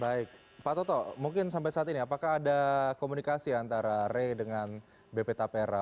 baik pak toto mungkin sampai saat ini apakah ada komunikasi antara re dengan bp tapera